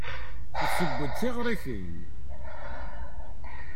Tesseww-d tiɣrifin.